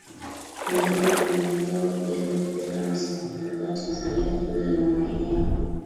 nyingine kwenye eneo hili Kilwa ni sehemu ndogo ya Tanzania lakini ina maeneo